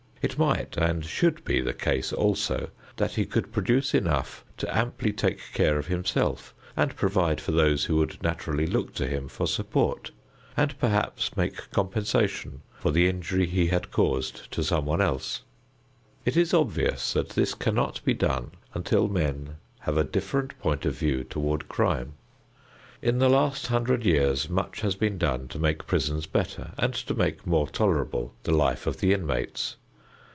It might and should be the case also that he could produce enough to amply take care of himself and provide for those who would naturally look to him for support, and perhaps make compensation for the injury he had caused to someone else. It is obvious that this cannot be done until men have a different point of view toward crime. In the last hundred years much has been done to make prisons better and to make more tolerable the life of the inmates.